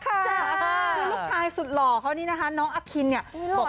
คือลูกชายสุดหล่อเขานี่นะคะน้องอคินเนี่ย